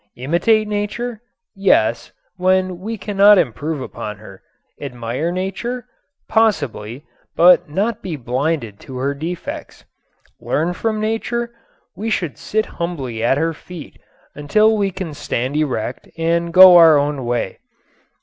Imitate Nature? Yes, when we cannot improve upon her. Admire Nature? Possibly, but be not blinded to her defects. Learn from Nature? We should sit humbly at her feet until we can stand erect and go our own way.